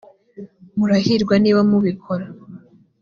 yh murahirwa niba mubikora